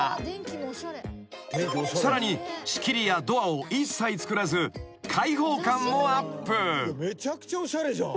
［さらに仕切りやドアを一切作らず開放感もアップ］